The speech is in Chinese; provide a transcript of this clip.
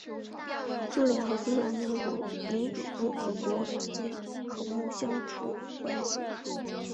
苏联和芬兰民主共和国之间和睦相处关系。